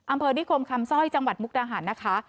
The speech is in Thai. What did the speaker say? อำเภอนิคมคำสร้อยจังหวัดมุกดาหารนะคะ